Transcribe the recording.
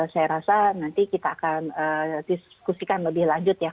saya rasa nanti kita akan diskusikan lebih lanjut ya